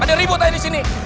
ada ribut aja disini